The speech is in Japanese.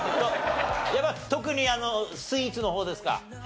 やっぱ特にあのスイーツの方ですか？